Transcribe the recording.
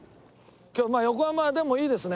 今日横浜でもいいですね。